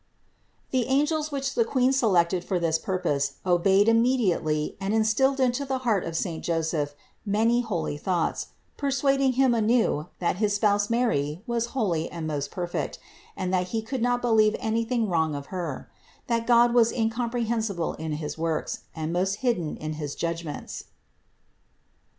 The angels which the Queen selected for this purpose obeyed immediately and instilled into the heart of saint Joseph many holy thoughts, persuading him anew that his Spouse Mary was holy and most perfect, and that he could not believe anything wrong of Her; that God was incomprehensible in his works, and most hidden in his judgments (Ps.